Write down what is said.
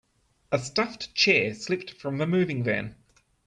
A stuffed chair slipped from the moving van.